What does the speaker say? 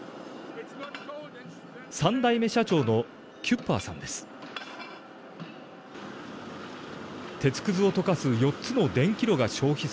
３代目社長のキュッパーさんです。